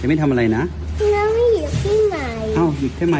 แดมมี่ทำอะไรนะแดมมี่หยีกพี่ใหม่อ้าวหยีกพี่ใหม่ละคะ